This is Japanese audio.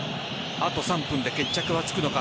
あと３分で決着はつくのか。